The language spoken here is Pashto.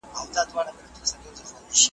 سبا به په دې وخت کي زه په سفر کي یم.